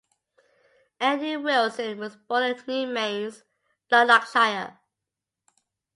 Andy Wilson was born in Newmains, Lanarkshire.